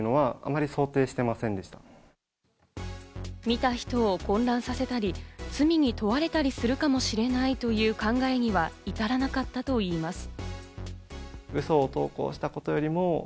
見た人を混乱させたり、罪に問われたりするかもしれないという考えには至らなかったといいます。